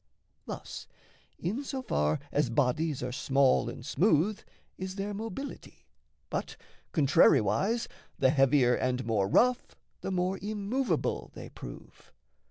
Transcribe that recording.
Thus, in so far as bodies Are small and smooth, is their mobility; But, contrariwise, the heavier and more rough, The more immovable they prove.